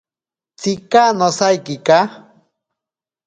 Tsika nosaikika.